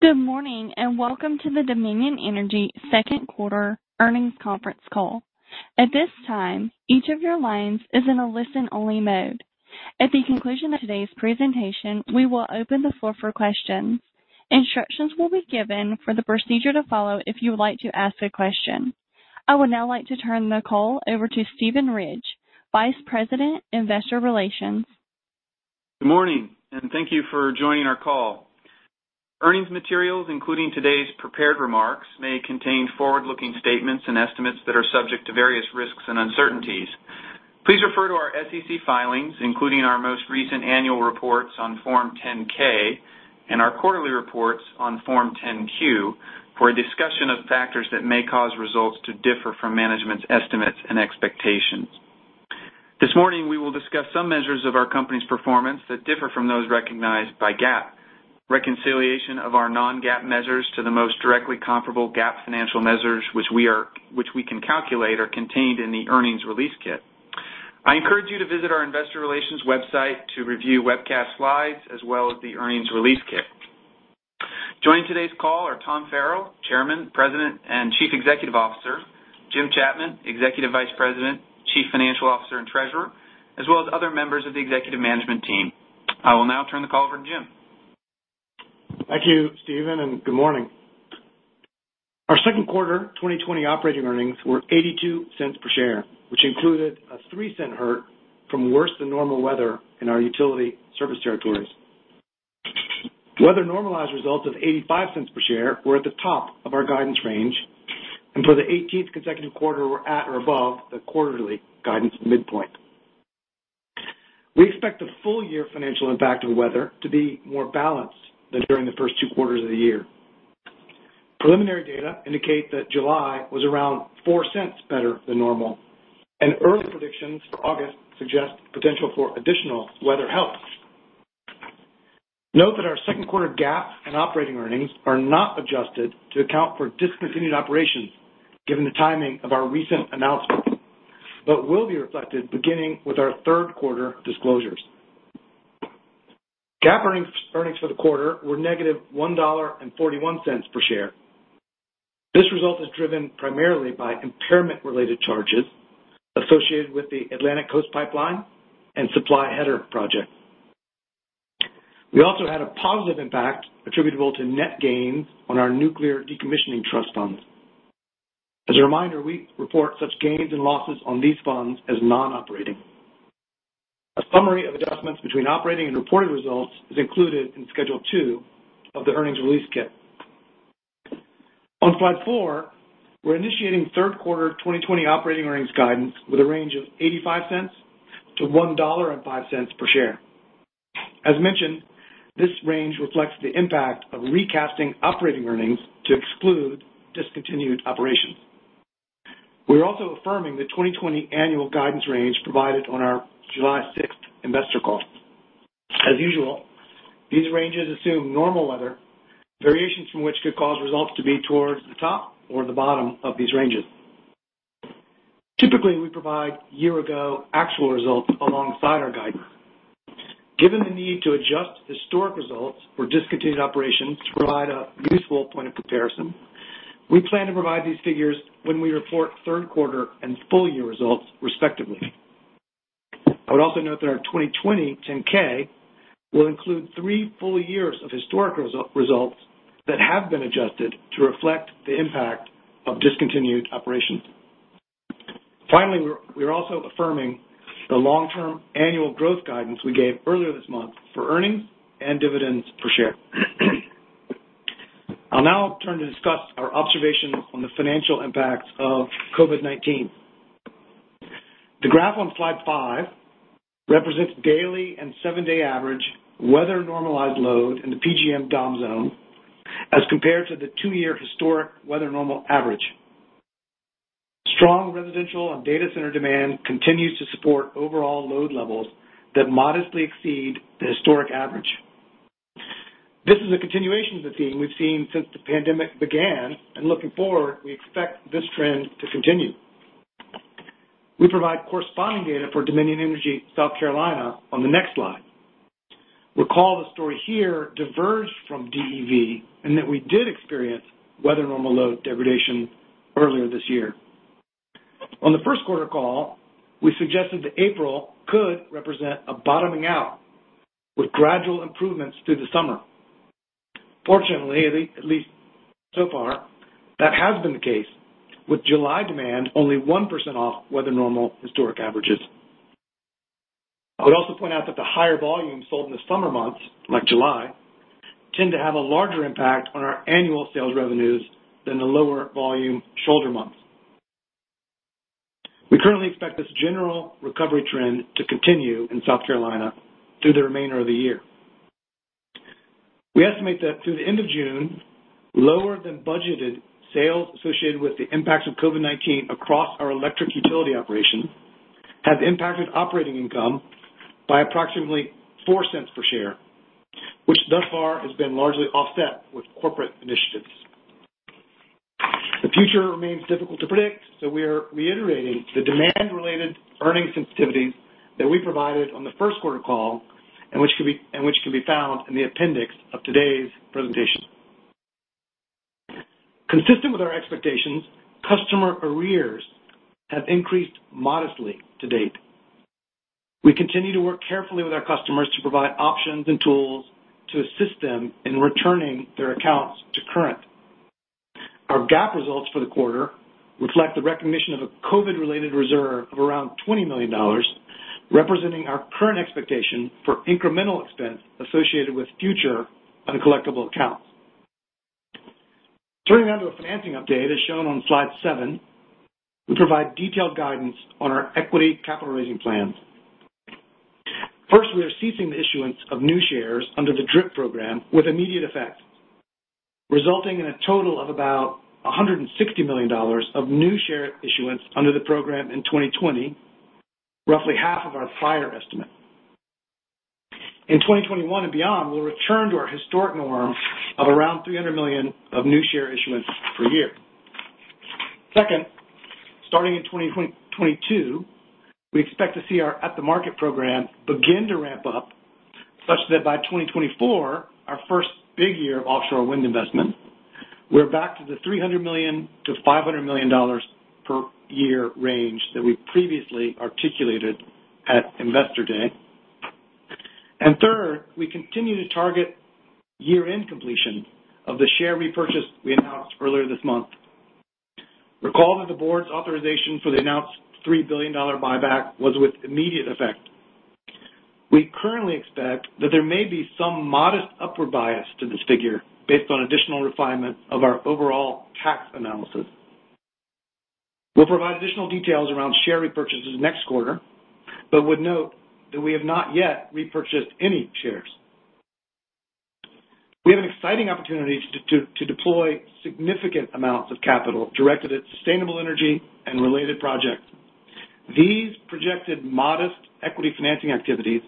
Good morning. Welcome to the Dominion Energy Second Quarter Earnings Conference Call. At this time, each of your lines is in a listen-only mode. At the conclusion of today's presentation, we will open the floor for questions. Instructions will be given for the procedure to follow if you would like to ask a question. I would now like to turn the call over to Steven Ridge, Vice President, Investor Relations. Good morning, and thank you for joining our call. Earnings materials, including today's prepared remarks, may contain forward-looking statements and estimates that are subject to various risks and uncertainties. Please refer to our SEC filings, including our most recent annual reports on Form 10-K and our quarterly reports on Form 10-Q, for a discussion of factors that may cause results to differ from management's estimates and expectations. This morning, we will discuss some measures of our company's performance that differ from those recognized by GAAP. Reconciliation of our non-GAAP measures to the most directly comparable GAAP financial measures, which we can calculate, are contained in the earnings release kit. I encourage you to visit our investor relations website to review webcast slides as well as the earnings release kit. Joining today's call are Tom Farrell, Chairman, President, and Chief Executive Officer. Jim Chapman, Executive Vice President, Chief Financial Officer, and Treasurer, as well as other members of the executive management team. I will now turn the call over to Jim. Thank you, Steven, and good morning. Our second quarter 2020 operating earnings were $0.82 per share, which included a $0.03 hurt from worse than normal weather in our utility service territories. Weather-normalized results of $0.85 per share were at the top of our guidance range, and for the 18th consecutive quarter were at or above the quarterly guidance midpoint. We expect the full-year financial impact of weather to be more balanced than during the first two quarters of the year. Preliminary data indicate that July was around $0.04 better than normal, and early predictions for August suggest potential for additional weather help. Note that our second quarter GAAP and operating earnings are not adjusted to account for discontinued operations given the timing of our recent announcement, but will be reflected beginning with our third-quarter disclosures. GAAP earnings for the quarter were negative $1.41 per share. This result is driven primarily by impairment-related charges associated with the Atlantic Coast Pipeline and Supply Header Project. We also had a positive impact attributable to net gains on our nuclear decommissioning trust funds. As a reminder, we report such gains and losses on these funds as non-operating. A summary of adjustments between operating and reported results is included in Schedule 2 of the earnings release kit. On slide four, we're initiating third quarter 2020 operating earnings guidance with a range of $0.85 to $1.05 per share. As mentioned, this range reflects the impact of recasting operating earnings to exclude discontinued operations. We're also affirming the 2020 annual guidance range provided on our July 6th investor call. As usual, these ranges assume normal weather, variations from which could cause results to be towards the top or the bottom of these ranges. Typically, we provide year-ago actual results alongside our guidance. Given the need to adjust historic results for discontinued operations to provide a useful point of comparison, we plan to provide these figures when we report third quarter and full-year results, respectively. I would also note that our 2020 10-K will include three full years of historic results that have been adjusted to reflect the impact of discontinued operations. Finally, we're also affirming the long-term annual growth guidance we gave earlier this month for earnings and dividends per share. I'll now turn to discuss our observations on the financial impacts of COVID-19. The graph on slide five represents daily and seven-day average weather-normalized load in the PJM DOM zone as compared to the two-year historic weather normal average. Strong residential and data center demand continues to support overall load levels that modestly exceed the historic average. This is a continuation of the theme we've seen since the pandemic began, and looking forward, we expect this trend to continue. We provide corresponding data for Dominion Energy South Carolina on the next slide. Recall the story here diverged from DEV, and that we did experience weather normal load degradation earlier this year. On the first quarter call, we suggested that April could represent a bottoming out with gradual improvements through the summer. Fortunately, at least so far, that has been the case, with July demand only 1% off weather normal historic averages. I would also point out that the higher volumes sold in the summer months, like July, tend to have a larger impact on our annual sales revenues than the lower volume shoulder months. We currently expect this general recovery trend to continue in South Carolina through the remainder of the year. We estimate that through the end of June, lower-than-budgeted sales associated with the impacts of COVID-19 across our electric utility operation have impacted operating income by approximately $0.04 per share, which thus far has been largely offset with corporate initiatives. Remains difficult to predict, so we are reiterating the demand-related earnings sensitivities that we provided on the first quarter call, and which can be found in the appendix of today's presentation. Consistent with our expectations, customer arrears have increased modestly to date. We continue to work carefully with our customers to provide options and tools to assist them in returning their accounts to current. Our GAAP results for the quarter reflect the recognition of a COVID-related reserve of around $20 million, representing our current expectation for incremental expense associated with future uncollectible accounts. Turning now to a financing update, as shown on slide seven, we provide detailed guidance on our equity capital raising plans. First, we are ceasing the issuance of new shares under the DRIP program with immediate effect, resulting in a total of about $160 million of new share issuance under the program in 2020, roughly half of our prior estimate. In 2021 and beyond, we'll return to our historic norm of around $300 million of new share issuance per year. Second, starting in 2022, we expect to see our at-the-market program begin to ramp up such that by 2024, our first big year of offshore wind investment, we're back to the $300 million-$500 million per year range that we previously articulated at Investor Day. Third, we continue to target year-end completion of the share repurchase we announced earlier this month. Recall that the board's authorization for the announced $3 billion buyback was with immediate effect. We currently expect that there may be some modest upward bias to this figure based on additional refinement of our overall tax analysis. We'll provide additional details around share repurchases next quarter, but would note that we have not yet repurchased any shares. We have an exciting opportunity to deploy significant amounts of capital directed at sustainable energy and related projects. These projected modest equity financing activities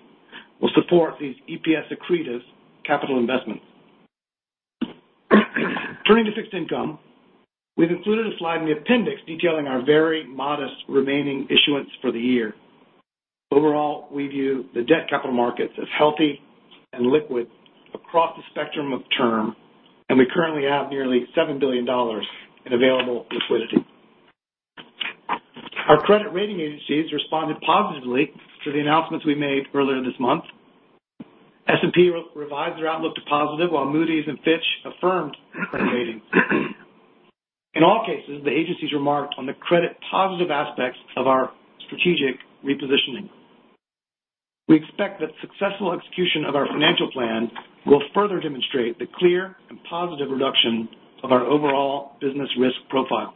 will support these EPS-accretive capital investments. Turning to fixed income, we've included a slide in the appendix detailing our very modest remaining issuance for the year. Overall, we view the debt capital markets as healthy and liquid across the spectrum of term, and we currently have nearly $7 billion in available liquidity. Our credit rating agencies responded positively to the announcements we made earlier this month. S&P revised their outlook to positive, while Moody's and Fitch affirmed our credit ratings. In all cases, the agencies remarked on the credit positive aspects of our strategic repositioning. We expect that successful execution of our financial plan will further demonstrate the clear and positive reduction of our overall business risk profile.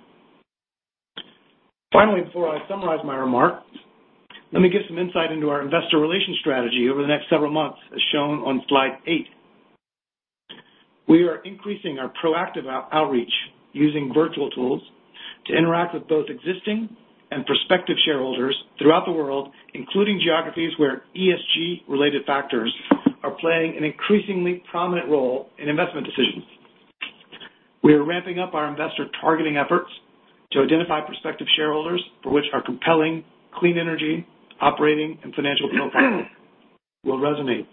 Finally, before I summarize my remarks, let me give some insight into our investor relation strategy over the next several months, as shown on slide eight. We are increasing our proactive outreach using virtual tools to interact with both existing and prospective shareholders throughout the world, including geographies where ESG-related factors are playing an increasingly prominent role in investment decisions. We are ramping up our investor targeting efforts to identify prospective shareholders for which our compelling clean energy operating and financial profile will resonate.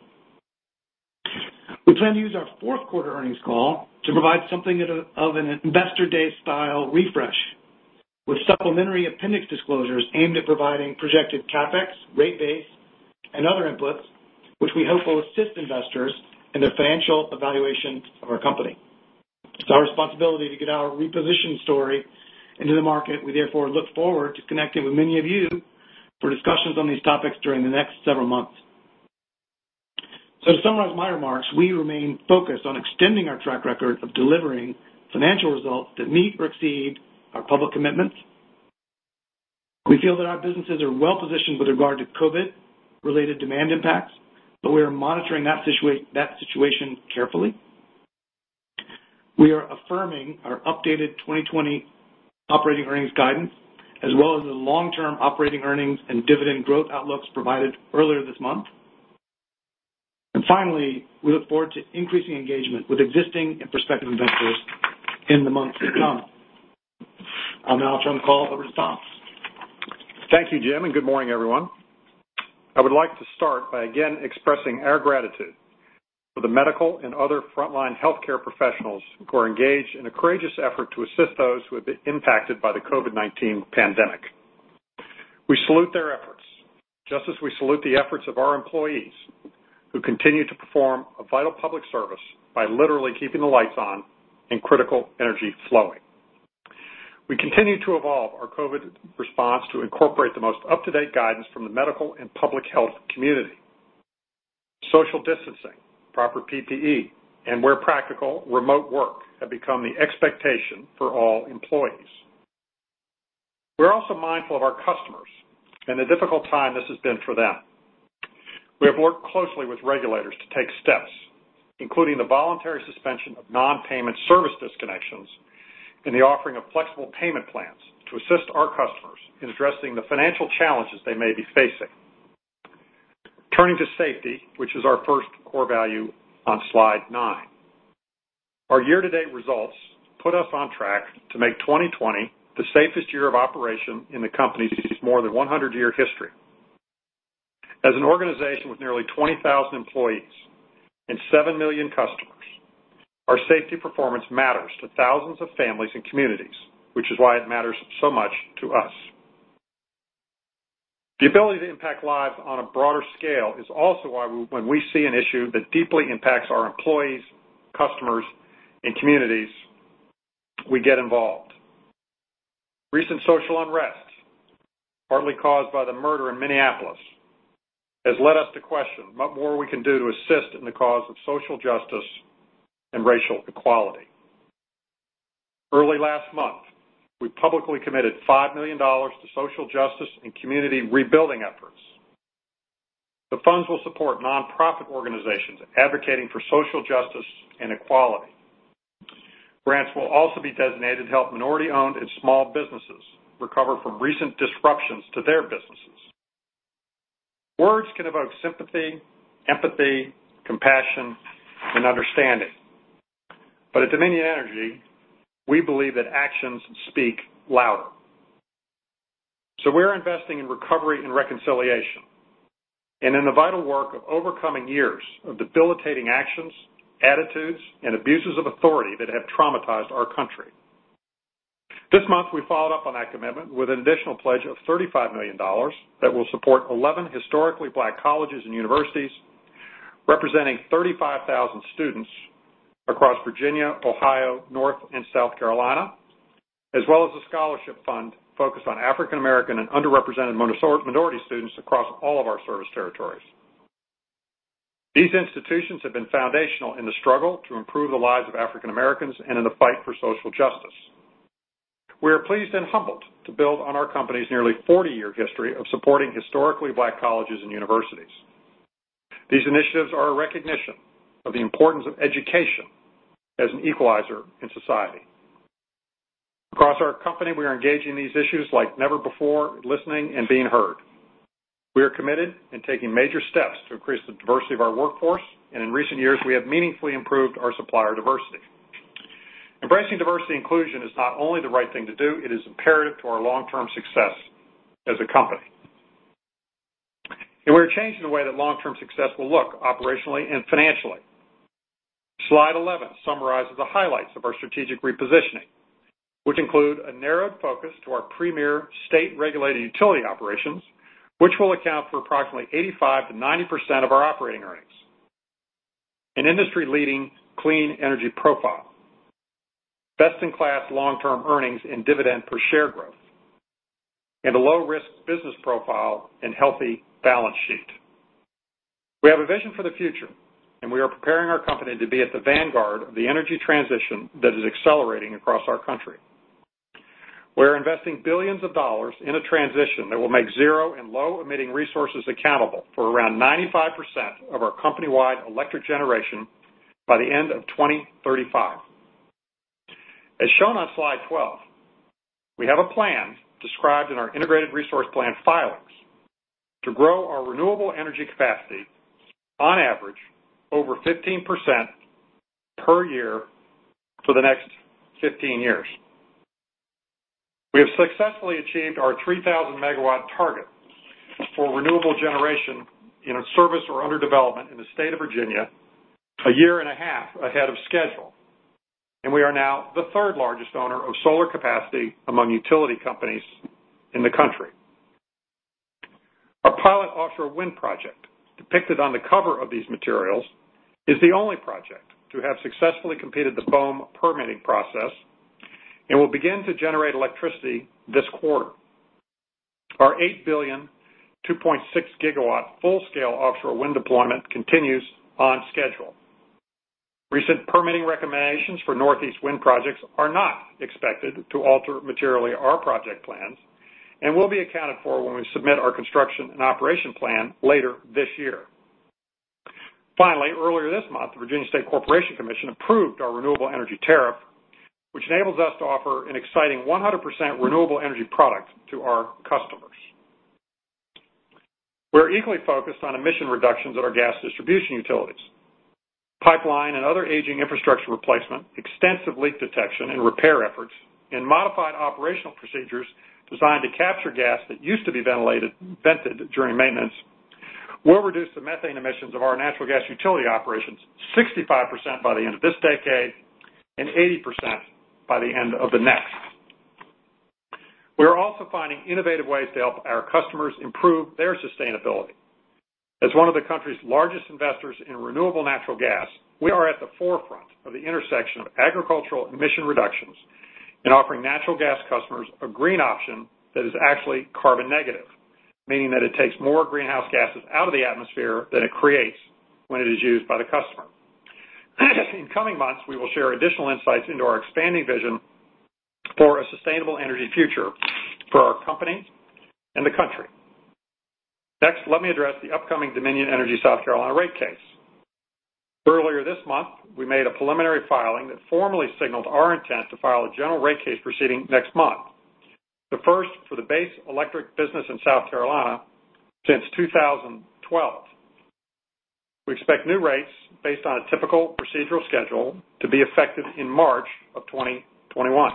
We plan to use our fourth quarter earnings call to provide something of an Investor Day style refresh with supplementary appendix disclosures aimed at providing projected CapEx, rate base, and other inputs, which we hope will assist investors in their financial evaluation of our company. It's our responsibility to get our reposition story into the market. We therefore look forward to connecting with many of you for discussions on these topics during the next several months. To summarize my remarks, we remain focused on extending our track record of delivering financial results that meet or exceed our public commitments. We feel that our businesses are well-positioned with regard to COVID-19-related demand impacts, but we are monitoring that situation carefully. We are affirming our updated 2020 operating earnings guidance, as well as the long-term operating earnings and dividend growth outlooks provided earlier this month. Finally, we look forward to increasing engagement with existing and prospective investors in the months to come. I'll now turn the call over to Tom. Thank you, Jim. Good morning, everyone. I would like to start by again expressing our gratitude for the medical and other frontline healthcare professionals who are engaged in a courageous effort to assist those who have been impacted by the COVID-19 pandemic. We salute their efforts, just as we salute the efforts of our employees who continue to perform a vital public service by literally keeping the lights on and critical energy flowing. We continue to evolve our COVID response to incorporate the most up-to-date guidance from the medical and public health community. Social distancing, proper PPE, and where practical, remote work have become the expectation for all employees. We're also mindful of our customers and the difficult time this has been for them. We have worked closely with regulators to take steps, including the voluntary suspension of non-payment service disconnections and the offering of flexible payment plans to assist our customers in addressing the financial challenges they may be facing. Turning to safety, which is our first core value on slide nine. Our year-to-date results put us on track to make 2020 the safest year of operation in the company's more than 100-year history. As an organization with nearly 20,000 employees and 7 million customers, our safety performance matters to thousands of families and communities, which is why it matters so much to us. The ability to impact lives on a broader scale is also why when we see an issue that deeply impacts our employees, customers, and communities, we get involved. Recent social unrest, partly caused by the murder in Minneapolis, has led us to question what more we can do to assist in the cause of social justice and racial equality. Early last month, we publicly committed $5 million to social justice and community rebuilding efforts. The funds will support nonprofit organizations advocating for social justice and equality. Grants will also be designated to help minority-owned and small businesses recover from recent disruptions to their businesses. Words can evoke sympathy, empathy, compassion, and understanding. At Dominion Energy, we believe that actions speak louder. We're investing in recovery and reconciliation and in the vital work of overcoming years of debilitating actions, attitudes, and abuses of authority that have traumatized our country. This month, we followed up on that commitment with an additional pledge of $35 million that will support 11 Historically Black Colleges and Universities representing 35,000 students across Virginia, Ohio, North and South Carolina, as well as a scholarship fund focused on African American and underrepresented minority students across all of our service territories. These institutions have been foundational in the struggle to improve the lives of African Americans and in the fight for social justice. We are pleased and humbled to build on our company's nearly 40-year history of supporting historically black colleges and universities. These initiatives are a recognition of the importance of education as an equalizer in society. Across our company, we are engaging these issues like never before, listening and being heard. We are committed and taking major steps to increase the diversity of our workforce, and in recent years, we have meaningfully improved our supplier diversity. Embracing diversity inclusion is not only the right thing to do, it is imperative to our long-term success as a company. We're changing the way that long-term success will look operationally and financially. Slide 11 summarizes the highlights of our strategic repositioning, which include a narrowed focus to our premier state-regulated utility operations, which will account for approximately 85%-90% of our operating earnings, an industry-leading clean energy profile, best-in-class long-term earnings and dividend per share growth, and a low-risk business profile and healthy balance sheet. We have a vision for the future, and we are preparing our company to be at the vanguard of the energy transition that is accelerating across our country. We're investing billions of dollars in a transition that will make zero and low-emitting resources accountable for around 95% of our company-wide electric generation by the end of 2035. As shown on slide 12, we have a plan described in our integrated resource plan filings to grow our renewable energy capacity on average over 15% per year for the next 15 years. We have successfully achieved our 3,000 MW target for renewable generation in service or under development in the state of Virginia a year and a half ahead of schedule, and we are now the third-largest owner of solar capacity among utility companies in the country. Our pilot offshore wind project, depicted on the cover of these materials, is the only project to have successfully completed the BOEM permitting process and will begin to generate electricity this quarter. Our $8 billion 2.6 GW full-scale offshore wind deployment continues on schedule. Recent permitting recommendations for Northeast wind projects are not expected to alter materially our project plans and will be accounted for when we submit our construction and operation plan later this year. Earlier this month, the Virginia State Corporation Commission approved our renewable energy tariff, which enables us to offer an exciting 100% renewable energy product to our customers. We're equally focused on emission reductions at our gas distribution utilities. Pipeline and other aging infrastructure replacement, extensive leak detection and repair efforts, and modified operational procedures designed to capture gas that used to be vented during maintenance will reduce the methane emissions of our natural gas utility operations 65% by the end of this decade and 80% by the end of the next. We are also finding innovative ways to help our customers improve their sustainability. As one of the country's largest investors in renewable natural gas, we are at the forefront of the intersection of agricultural emission reductions and offering natural gas customers a green option that is actually carbon negative, meaning that it takes more greenhouse gases out of the atmosphere than it creates when it is used by the customer. In coming months, we will share additional insights into our expanding vision for a sustainable energy future for our company and the country. Let me address the upcoming Dominion Energy South Carolina rate case. Earlier this month, we made a preliminary filing that formally signaled our intent to file a general rate case proceeding next month, the first for the base electric business in South Carolina since 2012. We expect new rates based on a typical procedural schedule to be effective in March of 2021.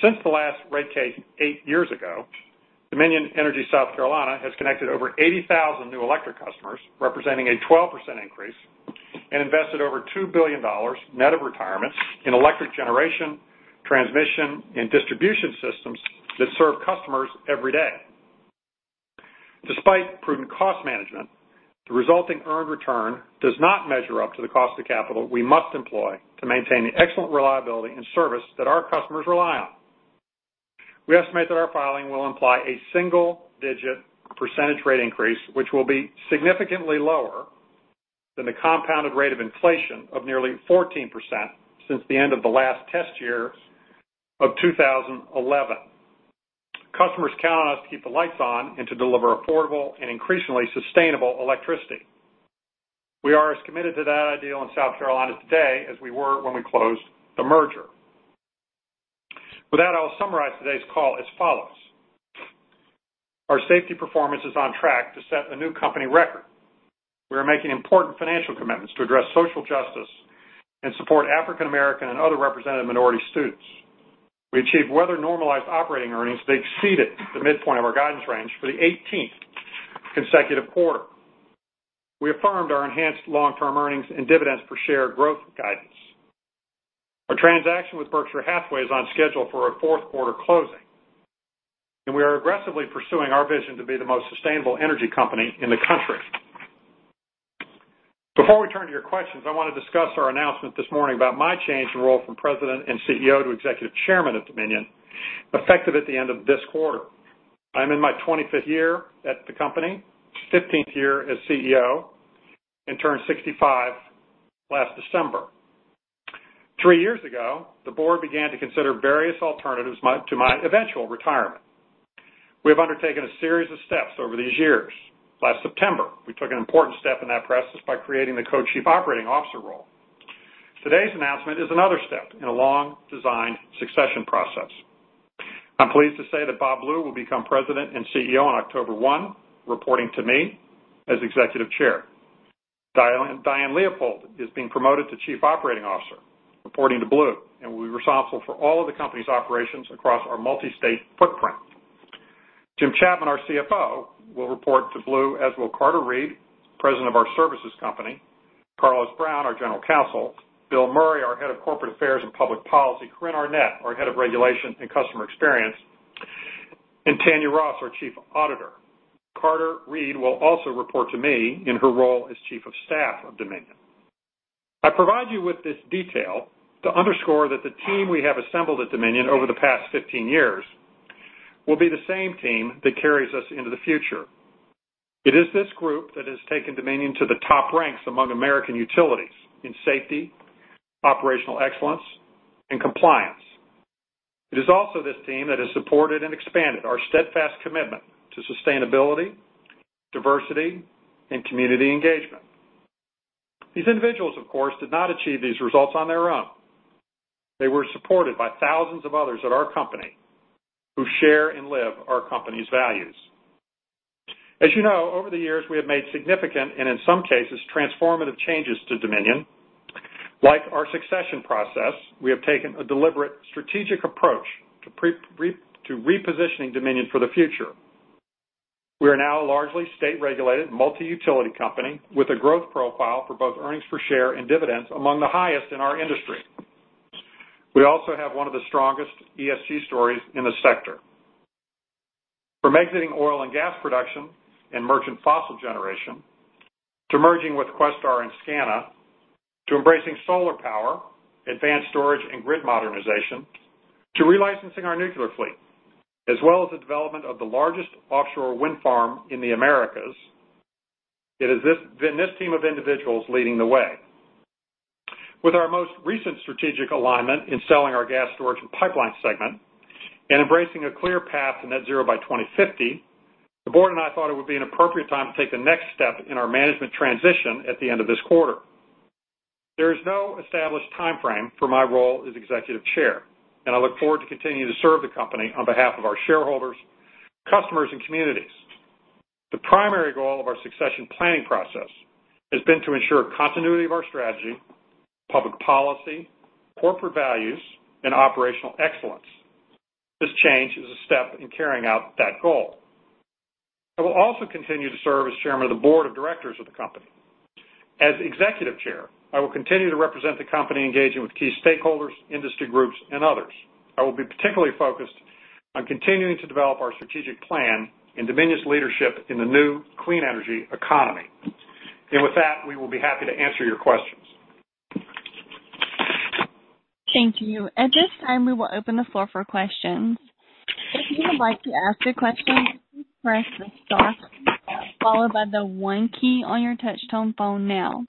Since the last rate case eight years ago, Dominion Energy South Carolina has connected over 80,000 new electric customers, representing a 12% increase, and invested over $2 billion net of retirement in electric generation, transmission, and distribution systems that serve customers every day. Despite prudent cost management, the resulting earned return does not measure up to the cost of capital we must employ to maintain the excellent reliability and service that our customers rely on. We estimate that our filing will imply a single-digit percentage rate increase, which will be significantly lower than the compounded rate of inflation of nearly 14% since the end of the last test year of 2011. Customers count on us to keep the lights on and to deliver affordable and increasingly sustainable electricity. We are as committed to that ideal in South Carolina today as we were when we closed the merger. With that, I'll summarize today's call as follows. Our safety performance is on track to set a new company record. We are making important financial commitments to address social justice and support African American and other representative minority students. We achieved weather-normalized operating earnings that exceeded the midpoint of our guidance range for the 18th consecutive quarter. We affirmed our enhanced long-term earnings and dividends per share growth guidance. Our transaction with Berkshire Hathaway is on schedule for a fourth-quarter closing, and we are aggressively pursuing our vision to be the most sustainable energy company in the country. Before we turn to your questions, I want to discuss our announcement this morning about my change in role from President and CEO to Executive Chairman of Dominion, effective at the end of this quarter. I'm in my 25th year at the company, 15th year as CEO, and turned 65 last December. Three years ago, the board began to consider various alternatives to my eventual retirement. We have undertaken a series of steps over these years. Last September, we took an important step in that process by creating the Co-Chief Operating Officer role. Today's announcement is another step in a long-designed succession process. I'm pleased to say that Bob Blue will become President and CEO on October 1, reporting to me as Executive Chair. Diane Leopold is being promoted to Chief Operating Officer, reporting to Blue, and will be responsible for all of the company's operations across our multi-state footprint. Jim Chapman, our CFO, will report to Blue, as will Carter Reid, President of our Services Company, Carlos Brown, our General Counsel, Bill Murray, our Head of Corporate Affairs and Public Policy, Corynne Arnett, our Head of Regulation and Customer Experience, and Tanya Ross, our Chief Auditor. Carter Reid will also report to me in her role as Chief of Staff of Dominion. I provide you with this detail to underscore that the team we have assembled at Dominion over the past 15 years will be the same team that carries us into the future. It is this group that has taken Dominion to the top ranks among American utilities in safety, operational excellence, and compliance. It is also this team that has supported and expanded our steadfast commitment to sustainability, diversity, and community engagement. These individuals, of course, did not achieve these results on their own. They were supported by thousands of others at our company who share and live our company's values. As you know, over the years, we have made significant, and in some cases, transformative changes to Dominion. Like our succession process, we have taken a deliberate strategic approach to repositioning Dominion for the future. We are now a largely state-regulated multi-utility company with a growth profile for both earnings per share and dividends among the highest in our industry. We also have one of the strongest ESG stories in the sector. From exiting oil and gas production and merchant fossil generation, to merging with Questar and SCANA, to embracing solar power, advanced storage, and grid modernization, to relicensing our nuclear fleet, as well as the development of the largest offshore wind farm in the Americas, it has been this team of individuals leading the way. With our most recent strategic alignment in selling our gas storage and pipeline segment and embracing a clear path to net zero by 2050, the board and I thought it would be an appropriate time to take the next step in our management transition at the end of this quarter. There is no established timeframe for my role as Executive Chair, and I look forward to continuing to serve the company on behalf of our shareholders, customers, and communities. The primary goal of our succession planning process has been to ensure continuity of our strategy, public policy, corporate values, and operational excellence. This change is a step in carrying out that goal. I will also continue to serve as Chairman of the Board of Directors of the company. As Executive Chair, I will continue to represent the company, engaging with key stakeholders, industry groups, and others. I will be particularly focused on continuing to develop our strategic plan in Dominion's leadership in the new clean energy economy. With that, we will be happy to answer your questions. Thank you. At this time, we will open the floor for questions. If you would like to ask a question, please press the star key followed by the one key on your touch-tone phone now.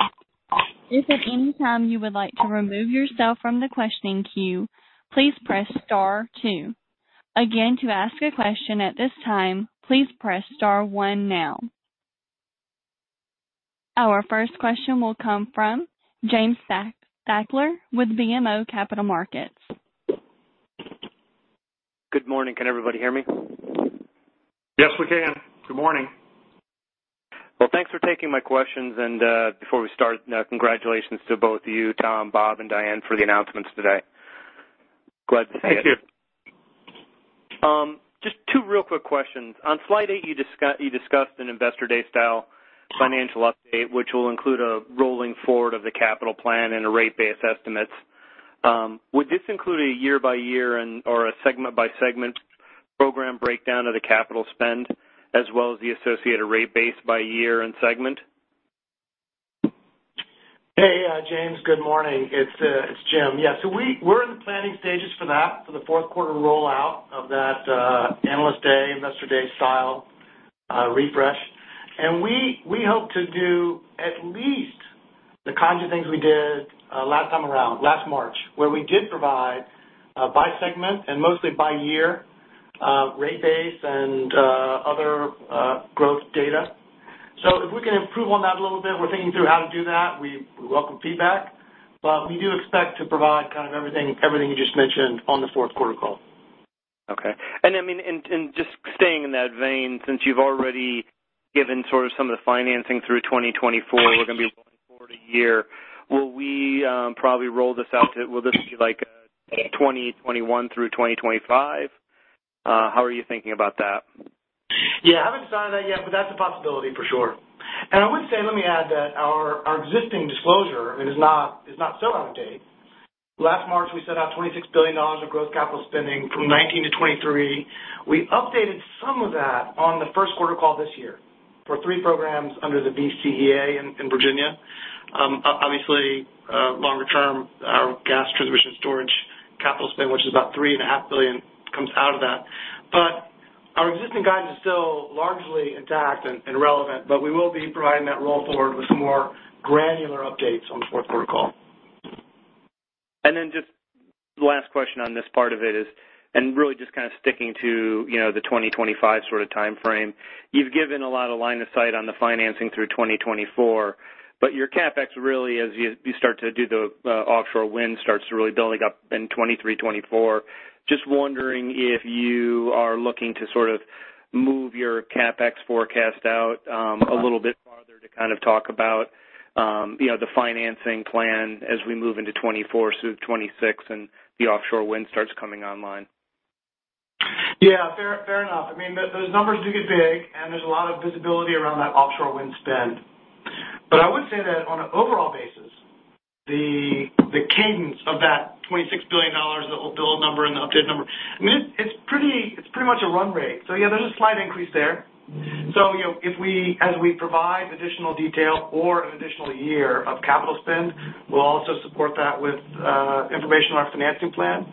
If at any time you would like to remove yourself from the questioning queue, please press star two. Again, to ask a question at this time, please press star one now. Our first question will come from James Thalacker with BMO Capital Markets. Good morning. Can everybody hear me? Yes, we can. Good morning. Well, thanks for taking my questions. Before we start, congratulations to both you, Tom, Bob, and Diane, for the announcements today. Glad to see it. Thank you. Just two real quick questions. On slide eight, you discussed an investor day style financial update, which will include a rolling forward of the capital plan and a rate base estimates. Would this include a year-by-year or a segment-by-segment program breakdown of the capital spend as well as the associated rate base by year and segment? Hey, James. Good morning. It's Jim. We're in the planning stages for the fourth quarter rollout of that analyst day, investor day style refresh. We hope to do at least the kinds of things we did last time around, last March, where we did provide by segment and mostly by year, rate base and other growth data. If we can improve on that a little bit, we're thinking through how to do that. We welcome feedback. We do expect to provide kind of everything you just mentioned on the fourth quarter call. Okay. Just staying in that vein, since you've already given sort of some of the financing through 2024, we're going to be rolling forward a year. Will this be like a 2021 through 2025? How are you thinking about that? Yeah. I haven't decided that yet, but that's a possibility for sure. I would say, let me add that our existing disclosure is not so out of date. Last March, we set out $26 billion of growth capital spending from 2019 to 2023. We updated some of that on the first quarter call this year for three programs under the VCEA in Virginia. Obviously, longer term, our Gas Transmission & Storage capital spend, which is about $3.5 billion, comes out of that. Our existing guidance is still largely intact and relevant, but we will be providing that roll forward with some more granular updates on the fourth quarter call. Then just last question on this part of it is, and really just kind of sticking to the 2025 sort of timeframe. You've given a lot of line of sight on the financing through 2024, but your CapEx really as you start to do the offshore wind starts to really building up in 2023, 2024. Just wondering if you are looking to sort of move your CapEx forecast out, a little bit farther to kind of talk about the financing plan as we move into 2024 through 2026 and the offshore wind starts coming online? Fair enough. Those numbers do get big, and there's a lot of visibility around that offshore wind spend. I would say that on an overall basis, the cadence of that $26 billion, the old build number and the updated number, it's pretty much a run rate. There's a slight increase there. As we provide additional detail or an additional year of capital spend, we'll also support that with information on our financing plan.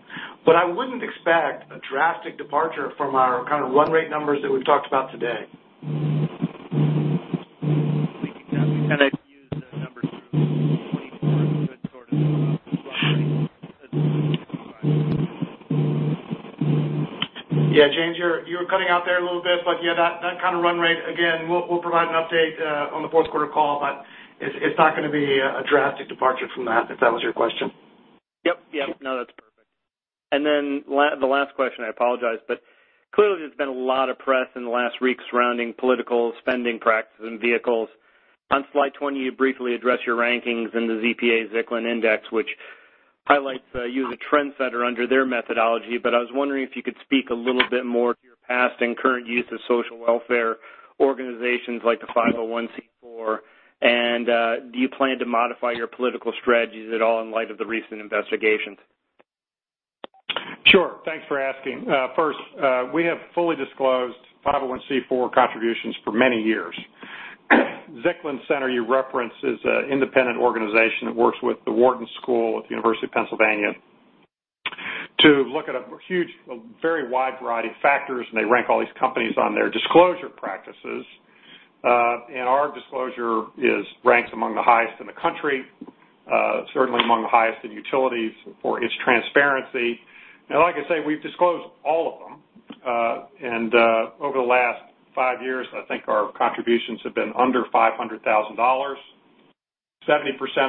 I wouldn't expect a drastic departure from our kind of run rate numbers that we've talked about today. We can definitely kind of use those numbers through 2024 as a good sort of run rate through 2025. Yeah, James, you were cutting out there a little bit, but yeah, that kind of run rate. Again, we'll provide an update on the fourth quarter call, but it's not going to be a drastic departure from that, if that was your question. Yep. No, that's perfect. The last question, I apologize, clearly there's been a lot of press in the last week surrounding political spending practices and vehicles. On slide 20, you briefly address your rankings in the CPA-Zicklin Index, which highlights you as a trendsetter under their methodology. I was wondering if you could speak a little bit more to your past and current use of social welfare organizations like the 501(c)(4). Do you plan to modify your political strategies at all in light of the recent investigations? Sure. Thanks for asking. First, we have fully disclosed 501(c)(4) contributions for many years. Zicklin Center you reference is an independent organization that works with The Wharton School at the University of Pennsylvania to look at a huge, very wide variety of factors, and they rank all these companies on their disclosure practices. Our disclosure ranks among the highest in the country, certainly among the highest in utilities for its transparency. Like I say, we've disclosed all of them. Over the last five years, I think our contributions have been under $500,000, 70%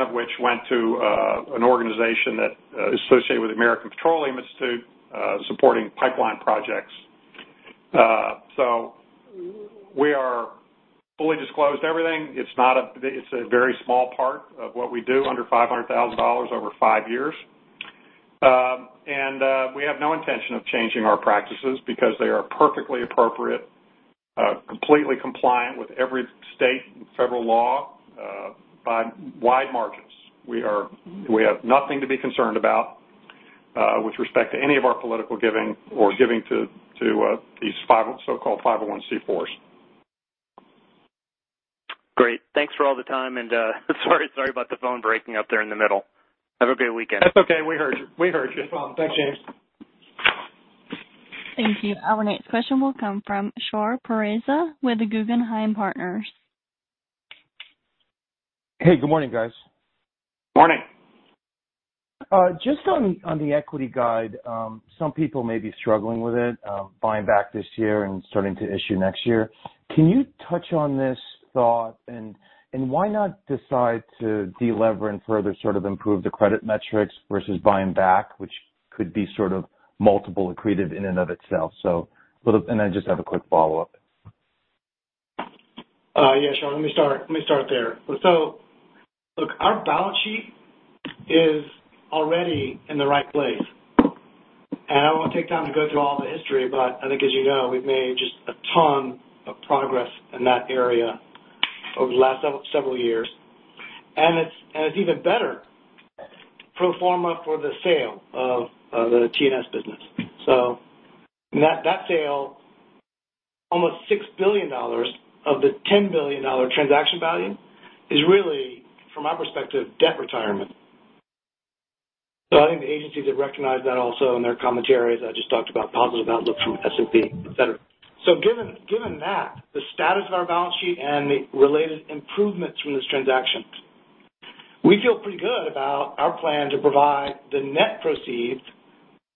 of which went to an organization that is associated with American Petroleum Institute, supporting pipeline projects. We are fully disclosed everything. It's a very small part of what we do, under $500,000 over five years. We have no intention of changing our practices because they are perfectly appropriate, completely compliant with every state and federal law, by wide margins. We have nothing to be concerned about, with respect to any of our political giving or giving to these so-called 501(c)(4)s. Great. Thanks for all the time, and, sorry about the phone breaking up there in the middle. Have a great weekend. That's okay. We heard you. No problem. Thanks, James. Thank you. Our next question will come from Shar Pourreza with the Guggenheim Partners Hey, good morning, guys. Morning. Just on the equity guide, some people may be struggling with it, buying back this year and starting to issue next year. Can you touch on this thought? Why not decide to delever and further sort of improve the credit metrics versus buying back, which could be sort of multiple accretive in and of itself? I just have a quick follow-up. Sure. Let me start there. Look, our balance sheet is already in the right place, and I won't take time to go through all the history, but I think, as you know, we've made just a ton of progress in that area over the last several years. It's even better pro forma for the sale of the T&S business. That sale, almost $6 billion of the $10 billion transaction value is really, from our perspective, debt retirement. I think the agencies have recognized that also in their commentaries. I just talked about positive outlook from S&P, et cetera. Given that, the status of our balance sheet and the related improvements from this transaction, we feel pretty good about our plan to provide the net proceeds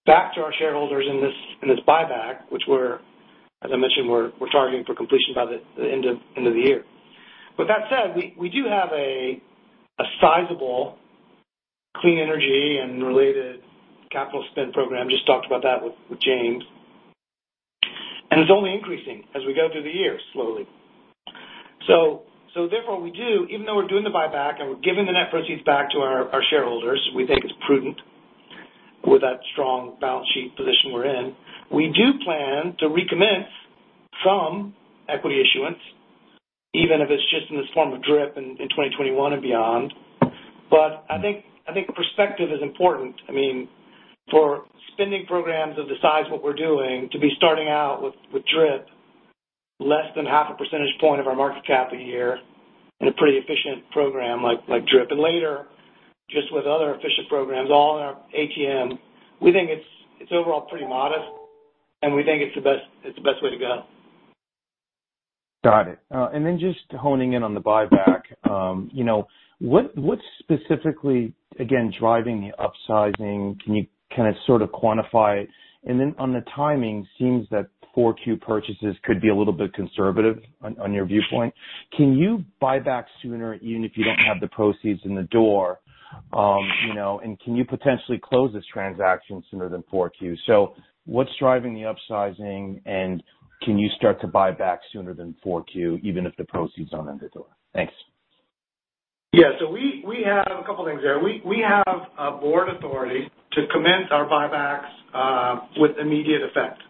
back to our shareholders in this buyback, which as I mentioned, we're targeting for completion by the end of the year. With that said, we do have a sizable clean energy and related capital spend program. Just talked about that with James. It's only increasing as we go through the year, slowly. Therefore, we do, even though we're doing the buyback and we're giving the net proceeds back to our shareholders, we think it's prudent with that strong balance sheet position we're in. We do plan to recommence some equity issuance, even if it's just in this form of DRIP in 2021 and beyond. I think perspective is important. For spending programs of the size what we're doing to be starting out with DRIP less than half a percentage point of our market cap a year in a pretty efficient program like DRIP, and later, just with other efficient programs, all in our ATM, we think it's overall pretty modest, and we think it's the best way to go. Got it. Just honing in on the buyback. What's specifically, again, driving the upsizing? Can you kind of sort of quantify? On the timing, seems that 4Q purchases could be a little bit conservative on your viewpoint. Can you buy back sooner even if you don't have the proceeds in the door? Can you potentially close this transaction sooner than 4Q? What's driving the upsizing, and can you start to buy back sooner than 4Q, even if the proceeds aren't in the door? Thanks. Yeah. We have a couple things there. We have a board authority to commence our buybacks with immediate effect.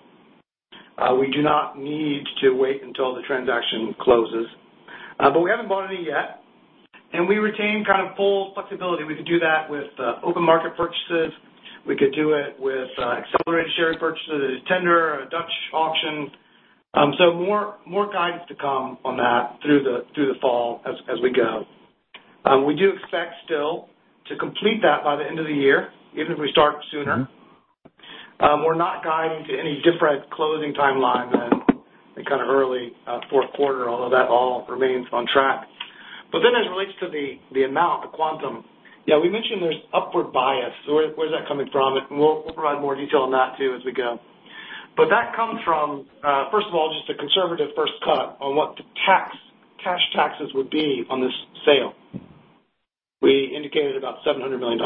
We do not need to wait until the transaction closes. We haven't bought any yet, and we retain kind of full flexibility. We could do that with open market purchases. We could do it with accelerated share purchases, tender, a Dutch auction. More guidance to come on that through the fall as we go. We do expect still to complete that by the end of the year, even if we start sooner. We're not guiding to any different closing timeline than kind of early fourth quarter, although that all remains on track. As it relates to the amount, the quantum, yeah, we mentioned there's upward bias. Where's that coming from? We'll provide more detail on that, too, as we go. That comes from, first of all, just a conservative first cut on what the cash taxes would be on this sale. We indicated about $700 million.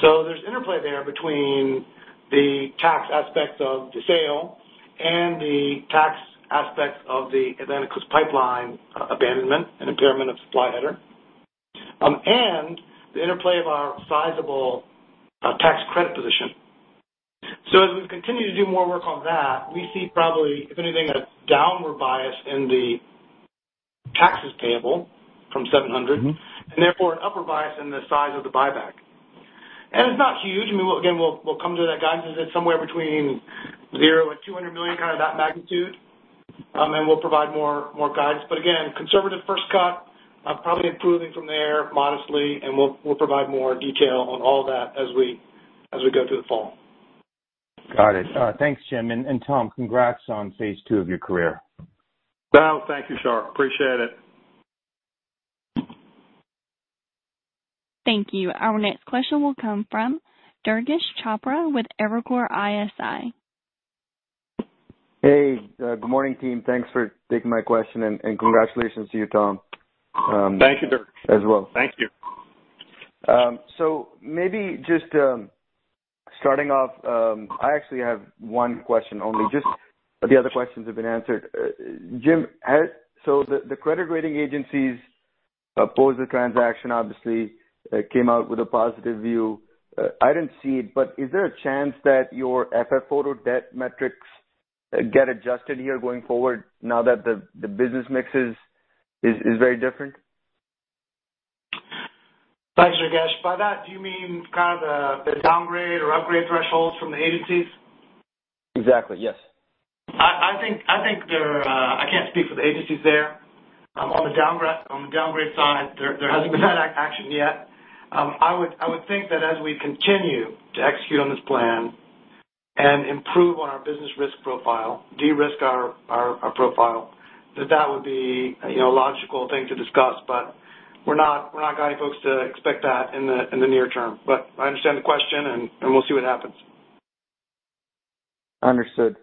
There's interplay there between the tax aspects of the sale and the tax aspects of the Atlantic Coast Pipeline abandonment and impairment of Supply Header, and the interplay of our sizable tax credit position. As we continue to do more work on that, we see probably, if anything, a downward bias in the taxes payable from $700 million, and therefore an upper bias in the size of the buyback. It's not huge. Again, we'll come to that guidance. It's somewhere between $0 and $200 million, kind of that magnitude. We'll provide more guidance. Again, conservative first cut, probably improving from there modestly, and we'll provide more detail on all that as we go through the fall. Got it. Thanks, Jim. Tom, congrats on phase two of your career. No, thank you, Shar. Appreciate it. Thank you. Our next question will come from Durgesh Chopra with Evercore ISI. Hey, good morning, team. Thanks for taking my question, and congratulations to you, Tom. Thank you, Durgesh. as well. Thank you. Maybe just starting off, I actually have one question only. Just the other questions have been answered. Jim, the credit rating agencies opposed the transaction, obviously came out with a positive view. I didn't see it, is there a chance that your FFO to Total Debt metrics get adjusted here going forward now that the business mix is very different? Thanks, Durgesh. By that, do you mean kind of the downgrade or upgrade thresholds from the agencies? Exactly, yes. I can't speak for the agencies there. On the downgrade side, there hasn't been that action yet. I would think that as we continue to execute on this plan and improve on our business risk profile, de-risk our profile. That would be a logical thing to discuss. We're not guiding folks to expect that in the near term. I understand the question, and we'll see what happens. Understood.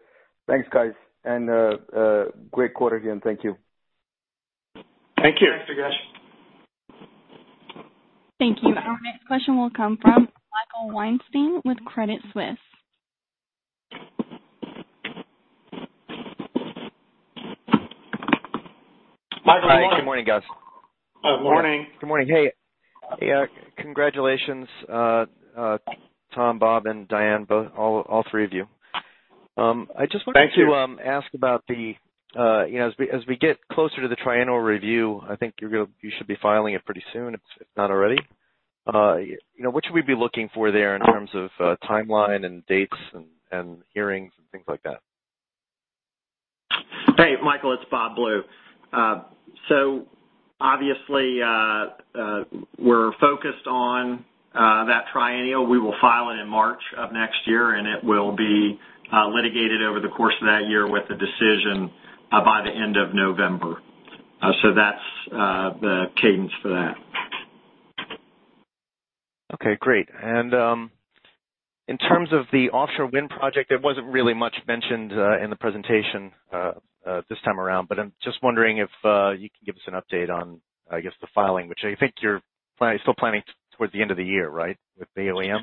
Thanks, guys, and great quarter again. Thank you. Thank you. Thanks, Durgesh. Thank you. Our next question will come from Michael Weinstein with Credit Suisse. Michael, good morning. Hi, good morning, guys. Good morning. Good morning. Hey. Congratulations Tom, Bob, and Diane, all three of you. Thank you. I just wanted to ask about the, as we get closer to the triennial review, I think you should be filing it pretty soon, if not already. What should we be looking for there in terms of timeline and dates and hearings and things like that? Hey, Michael, it's Bob Blue. Obviously, we're focused on that triennial. We will file it in March of next year, and it will be litigated over the course of that year with a decision by the end of November. That's the cadence for that. Okay, great. In terms of the offshore wind project, there wasn't really much mentioned in the presentation this time around. I'm just wondering if you can give us an update on, I guess, the filing, which I think you're still planning towards the end of the year, right? With BOEM.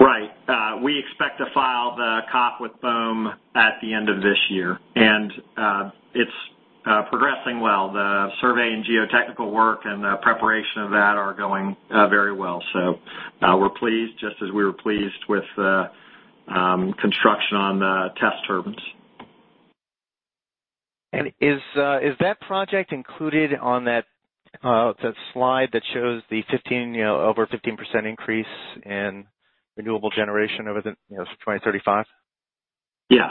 Right. We expect to file the COP with BOEM at the end of this year. It's progressing well. The survey and geotechnical work and the preparation of that are going very well. We're pleased, just as we were pleased with the construction on the test turbines. Is that project included on that slide that shows the over 15% increase in renewable generation over 2035? Yes.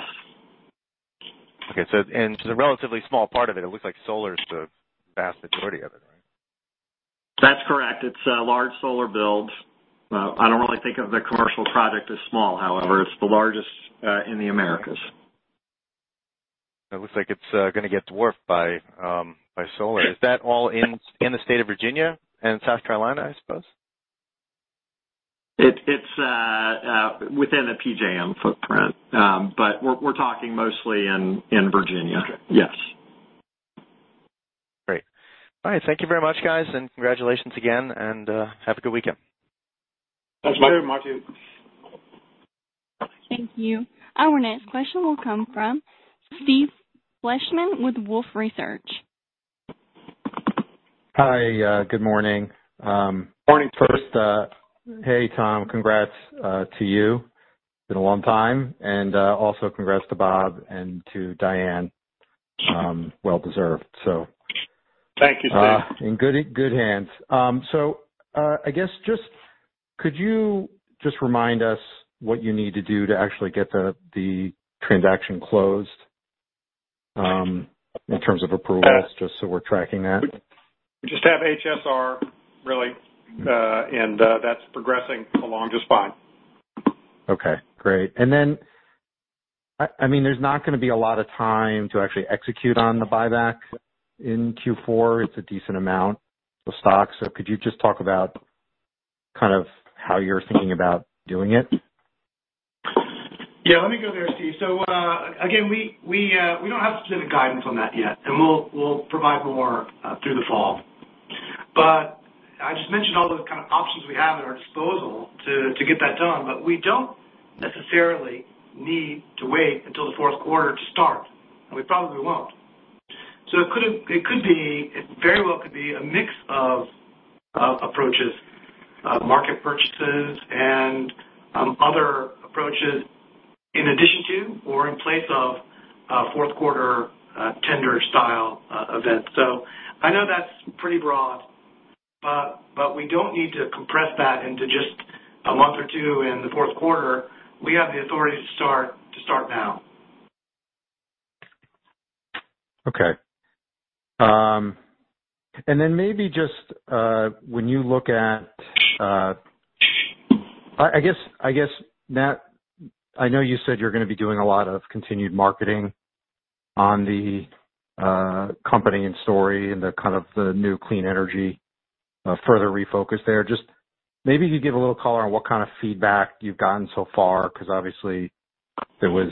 Okay. It's a relatively small part of it. It looks like solar is the vast majority of it, right? That's correct. It's a large solar build. I don't really think of the commercial project as small, however. It's the largest in the Americas. It looks like it's going to get dwarfed by solar. Is that all in the state of Virginia and South Carolina, I suppose? It's within the PJM footprint. We're talking mostly in Virginia. Okay. Yes. Great. All right. Thank you very much, guys, and congratulations again, and have a good weekend. Thank you. Thank you. Thank you. Our next question will come from Steve Fleishman with Wolfe Research. Hi, good morning. Morning. Hey, Tom, congrats to you. It's been a long time. Also congrats to Bob and to Diane. Well deserved. Thank you, Steve. In good hands. I guess just could you just remind us what you need to do to actually get the transaction closed, in terms of approvals, just so we're tracking that? We just have HSR, really. That's progressing along just fine. Okay, great. There's not going to be a lot of time to actually execute on the buyback in Q4. It's a decent amount of stock. Could you just talk about kind of how you're thinking about doing it? Yeah, let me go there, Steve. Again, we don't have specific guidance on that yet, and we'll provide more through the fall. I just mentioned all the kind of options we have at our disposal to get that done. We don't necessarily need to wait until the fourth quarter to start, and we probably won't. It very well could be a mix of approaches, market purchases and other approaches in addition to or in place of a fourth quarter tender style event. I know that's pretty broad, but we don't need to compress that into just a month or two in the fourth quarter. We have the authority to start now. Okay. Maybe just, I guess, that, I know you said you're going to be doing a lot of continued marketing on the company and story and the kind of the new clean energy further refocus there. Just maybe you could give a little color on what kind of feedback you've gotten so far, because obviously there was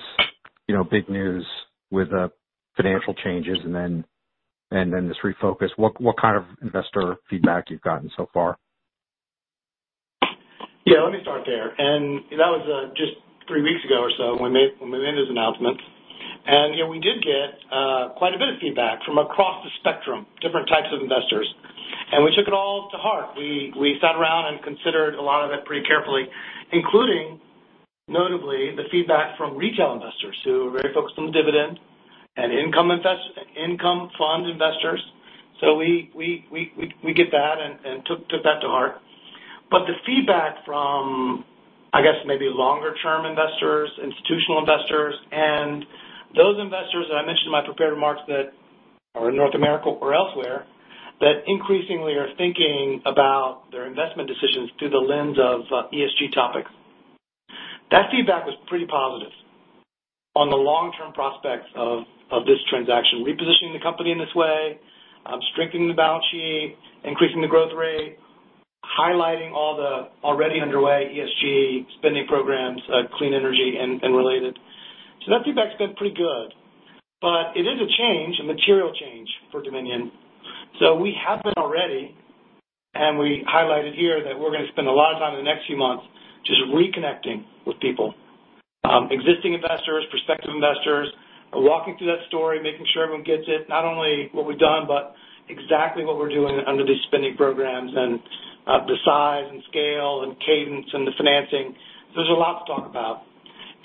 big news with the financial changes and then this refocus. What kind of investor feedback you've gotten so far? Yeah, let me start there. That was just three weeks ago or so when we made this announcement. We did get quite a bit of feedback from across the spectrum, different types of investors. We took it all to heart. We sat around and considered a lot of it pretty carefully, including, notably, the feedback from retail investors who are very focused on dividend and income fund investors. We get that and took that to heart. The feedback from, I guess, maybe longer term investors, institutional investors, and those investors that I mentioned in my prepared remarks that or in North America or elsewhere, that increasingly are thinking about their investment decisions through the lens of ESG topics. That feedback was pretty positive on the long-term prospects of this transaction, repositioning the company in this way, strengthening the balance sheet, increasing the growth rate, highlighting all the already underway ESG spending programs, clean energy, and related. That feedback's been pretty good. It is a change, a material change for Dominion. We have been already, and we highlighted here, that we're going to spend a lot of time in the next few months just reconnecting with people. Existing investors, prospective investors, walking through that story, making sure everyone gets it, not only what we've done, but exactly what we're doing under these spending programs and the size and scale and cadence and the financing. There's a lot to talk about.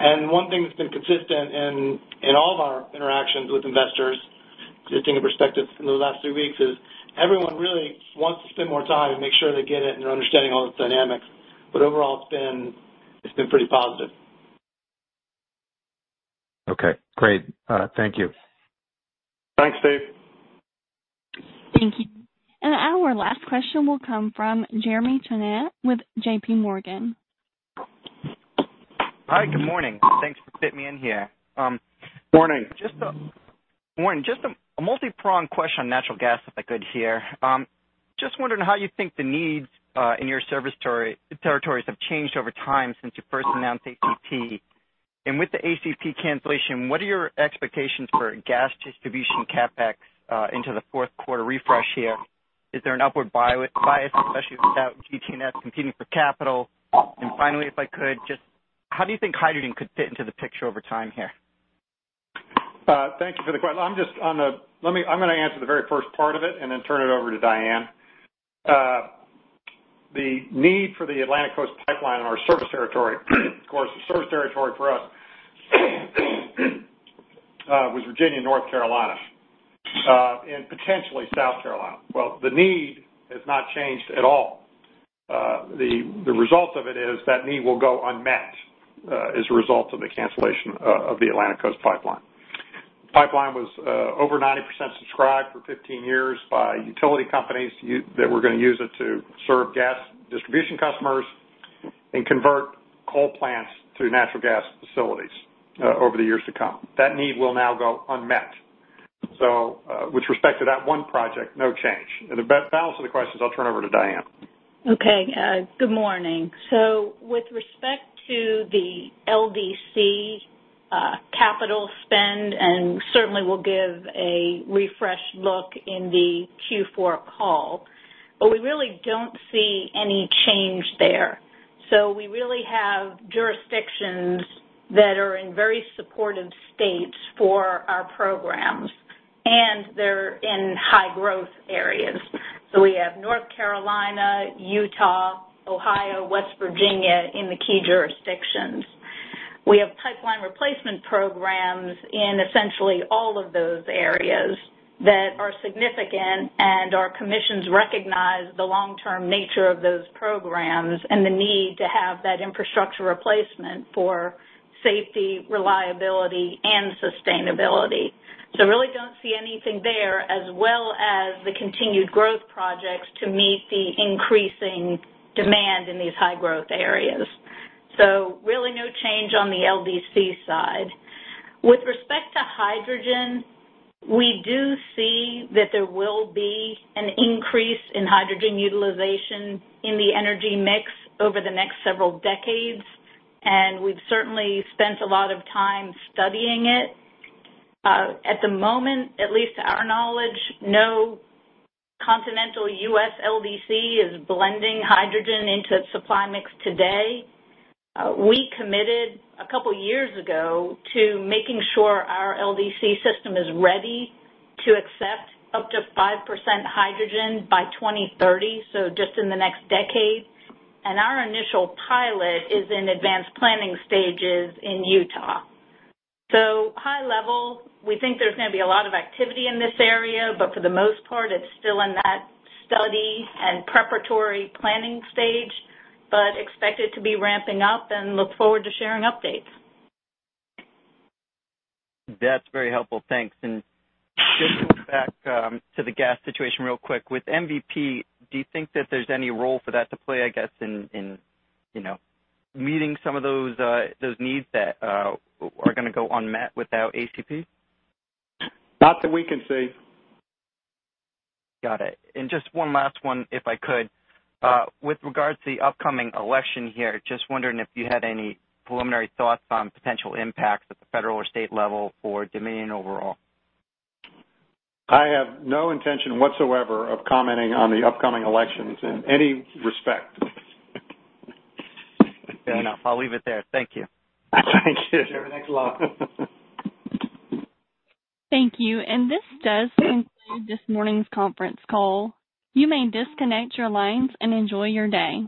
One thing that's been consistent in all of our interactions with investors, existing and prospective, in those last three weeks is everyone really wants to spend more time and make sure they get it and are understanding all the dynamics. Overall, it's been pretty positive. Okay, great. Thank you. Thanks, Steve. Thank you. Our last question will come from Jeremy Tonet with J.P. Morgan. Hi, good morning. Thanks for fitting me in here. Morning. Morning. Just a multi-pronged question on natural gas, if I could here. Just wondering how you think the needs in your service territories have changed over time since you first announced ACP. With the ACP cancellation, what are your expectations for gas distribution CapEx into the fourth quarter refresh here? Is there an upward bias, especially without GT&S competing for capital? Finally, if I could just, how do you think hydrogen could fit into the picture over time here? Thank you for the question. I'm going to answer the very first part of it and then turn it over to Diane. The need for the Atlantic Coast Pipeline in our service territory, of course, the service territory for us was Virginia, North Carolina, and potentially South Carolina. Well, the need has not changed at all. The result of it is that need will go unmet as a result of the cancellation of the Atlantic Coast Pipeline. The pipeline was over 90% subscribed for 15 years by utility companies that were going to use it to serve gas distribution customers and convert coal plants to natural gas facilities over the years to come. That need will now go unmet. With respect to that one project, no change. The balance of the questions I'll turn over to Diane. Okay, good morning. With respect to the LDC capital spend, and certainly we'll give a refreshed look in the Q4 call, but we really don't see any change there. We really have jurisdictions that are in very supportive states for our programs, and they're in high growth areas. We have North Carolina, Utah, Ohio, West Virginia in the key jurisdictions. We have pipeline replacement programs in essentially all of those areas that are significant, and our commissions recognize the long-term nature of those programs and the need to have that infrastructure replacement for safety, reliability, and sustainability. Really don't see anything there, as well as the continued growth projects to meet the increasing demand in these high growth areas. Really no change on the LDC side. With respect to hydrogen, we do see that there will be an increase in hydrogen utilization in the energy mix over the next several decades, and we've certainly spent a lot of time studying it. At the moment, at least to our knowledge, no continental US LDC is blending hydrogen into its supply mix today. We committed a couple years ago to making sure our LDC system is ready to accept up to 5% hydrogen by 2030, so just in the next decade. Our initial pilot is in advanced planning stages in Utah. High level, we think there's going to be a lot of activity in this area, but for the most part, it's still in that study and preparatory planning stage, but expect it to be ramping up and look forward to sharing updates. That's very helpful. Thanks. Just to go back to the gas situation real quick. With MVP, do you think that there's any role for that to play, I guess, in meeting some of those needs that are going to go unmet without ACP? Not that we can see. Got it. Just one last one, if I could. With regards to the upcoming election here, just wondering if you had any preliminary thoughts on potential impacts at the federal or state level for Dominion overall. I have no intention whatsoever of commenting on the upcoming elections in any respect. Fair enough. I'll leave it there. Thank you. Thank you. Jeremy, thanks a lot. Thank you. This does conclude this morning's conference call. You may disconnect your lines and enjoy your day.